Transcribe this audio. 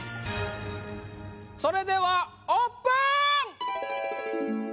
それではオープン！